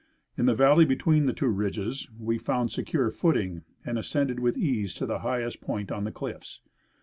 In the valley between the two ridges we found secure footing, and ascended with ease to the highest point on the cliffs.